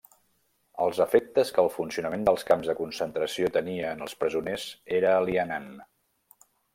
Els efectes que el funcionament dels camps de concentració tenia en els presoners era alienant.